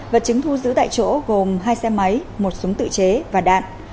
vật chứng thu giữ tại chỗ gồm hai xe máy một súng tự chế và đạn